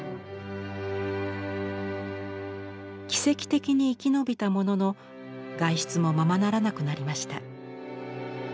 奇跡的に生き延びたものの外出もままならなくなりました。